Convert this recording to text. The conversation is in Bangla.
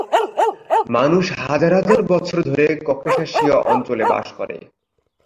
মানুষ হাজার হাজার বছর ধরে ককেশাসীয় অঞ্চলে বাস করে।